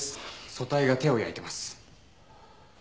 組対が手を焼いてます。